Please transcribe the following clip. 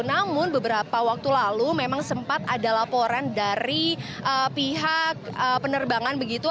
namun beberapa waktu lalu memang sempat ada laporan dari pihak penerbangan begitu